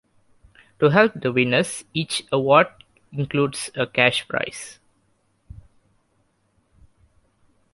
To help the winners, each award includes a cash prize.